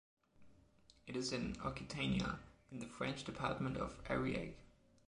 It is in Occitania, in the French department of Ariège.